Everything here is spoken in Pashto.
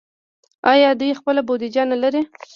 آیا دوی خپله بودیجه نلري؟